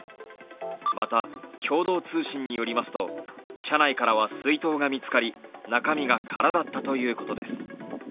また、共同通信によりますと車内からは水筒が見つかり中身が空だったということです。